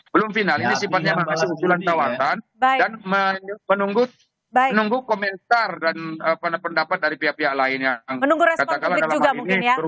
belum final ini sifatnya masih usulan tawaran dan menunggu komentar dan pendapat dari pihak pihak lain yang katakanlah dalam hal ini